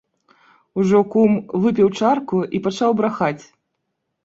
Ужо, кум, выпіў чарку і пачаў брахаць.